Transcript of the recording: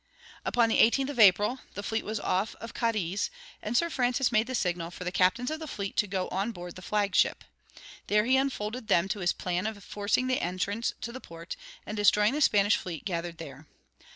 Upon the 18th of April the fleet was off Cadiz, and Sir Francis made the signal for the captains of the fleet to go on board the flagship. There he unfolded to them his plan of forcing the entrance to the port, and destroying the Spanish fleet gathered there.